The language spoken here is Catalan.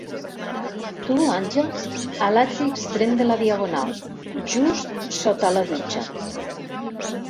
Tu, Àngels, a l'altre extrem de la diagonal, just sota la dutxa.